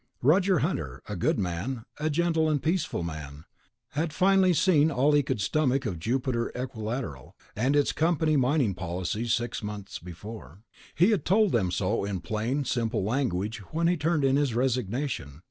Roger Hunter, a good man, a gentle and peaceful man, had finally seen all he could stomach of Jupiter Equilateral and its company mining policies six months before. He had told them so in plain, simple language when he turned in his resignation.